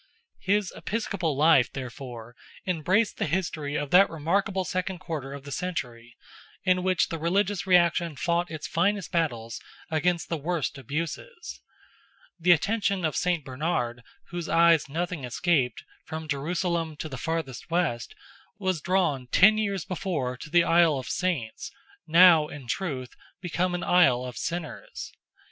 His episcopal life, therefore, embraced the history of that remarkable second quarter of the century, in which the religious reaction fought its first battles against the worst abuses. The attention of Saint Bernard, whose eyes nothing escaped, from Jerusalem to the farthest west, was drawn ten years before to the Isle of Saints, now, in truth, become an Isle of Sinners.